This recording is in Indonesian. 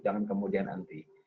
jangan kemudian anti